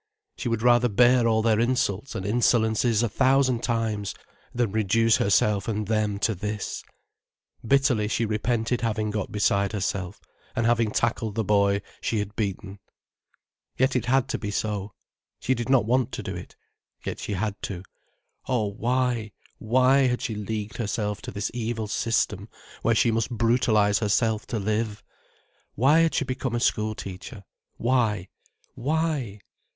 She would rather bear all their insults and insolences a thousand times than reduce herself and them to this. Bitterly she repented having got beside herself, and having tackled the boy she had beaten. Yet it had to be so. She did not want to do it. Yet she had to. Oh, why, why had she leagued herself to this evil system where she must brutalize herself to live? Why had she become a school teacher, why, why?